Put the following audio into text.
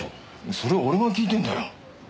それ俺が聞いてんだよ。